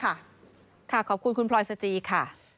ขอบคุณคุณพลอยสจีค่ะ